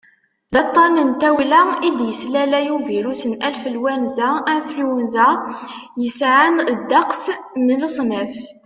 d aṭṭan n tawla i d-yeslalay ubirus n anflwanza influenza yesɛan ddeqs n leṣnaf